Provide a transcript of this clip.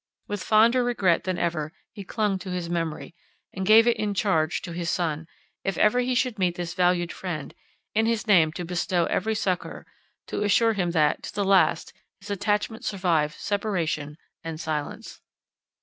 With fonder regret than ever, he clung to his memory; and gave it in charge to his son, if ever he should meet this valued friend, in his name to bestow every succour, and to assure him that, to the last, his attachment survived separation and silence.